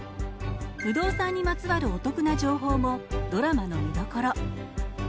不動産にまつわるお得な情報もドラマの見どころ。